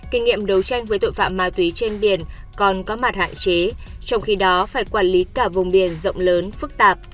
kinh nghiệm đấu tranh với tội phạm ma túy trên biển còn có mặt hạn chế trong khi đó phải quản lý cả vùng biển rộng lớn phức tạp